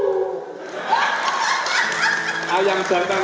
ayam datang dari usung pandan